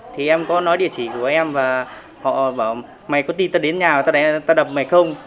thì em có nói địa chỉ của em và họ bảo mày có tin tao đến nhà tao đập mày không